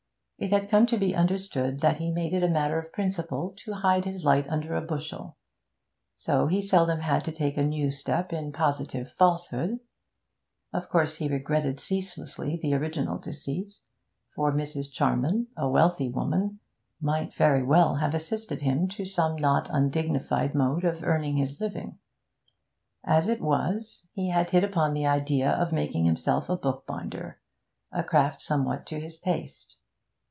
It had come to be understood that he made it a matter of principle to hide his light under a bushel, so he seldom had to take a new step in positive falsehood. Of course he regretted ceaselessly the original deceit, for Mrs. Charman, a wealthy woman, might very well have assisted him to some not undignified mode of earning his living. As it was, he had hit upon the idea of making himself a bookbinder, a craft somewhat to his taste.